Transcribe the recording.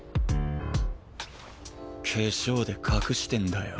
化粧で隠してんだよ